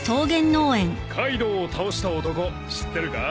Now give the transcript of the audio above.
カイドウを倒した男知ってるか？